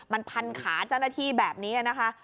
มันพันขาเจ้าหน้าที่แบบนี้นะคะ